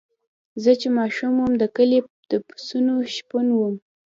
زه چې ماشوم وم د کلي د پسونو شپون وم.